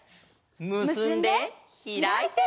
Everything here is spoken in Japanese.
「むすんでひらいて」！